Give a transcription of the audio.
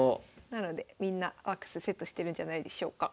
なのでみんなワックスセットしてるんじゃないでしょうか。